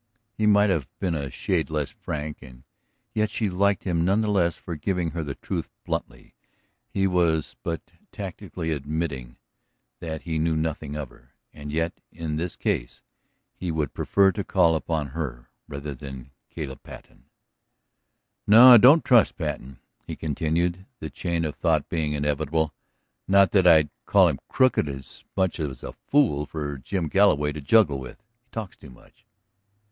He might have been a shade less frank; and yet she liked him none the less for giving her the truth bluntly. He was but tacitly admitting that he knew nothing of her; and yet in this case he would prefer to call upon her than on Caleb Patten. "No, I don't trust Patten," he continued, the chain of thought being inevitable. "Not that I'd call him crooked so much as a fool for Jim Galloway to juggle with. He talks too much."